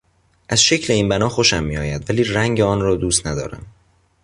از شکل این بنا خوشم میآید ولی رنگ آن را دوست ندارم.